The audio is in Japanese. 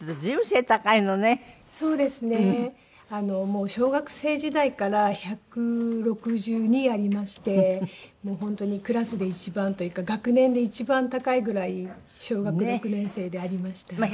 もう小学生時代から１６２ありまして本当にクラスで一番というか学年で一番高いぐらい小学６年生でありました。